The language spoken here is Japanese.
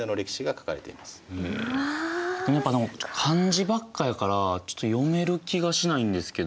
何かでも漢字ばっかやからちょっと読める気がしないんですけど。